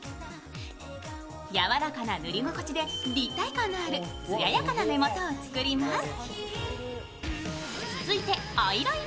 柔らかな塗り心地で立体感のある艶やかな目元を作ります。